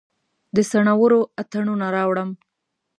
د څنورو اتڼوڼه راوړم